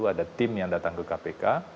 ada tim yang datang ke kpk